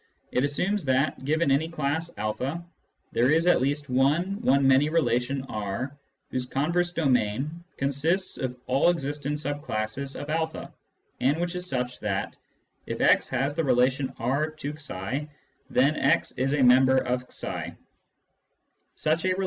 it assumes that, given any class a, there is at least one one many relation R whose converse domain consists of all existent sub classes of a and which is such that, if x has the relation R to f , then a; is a member of £.